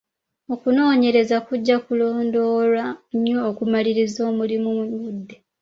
Okunoonyereza kujja kulondoolwa nnyo okumaliriza omulimu bu budde.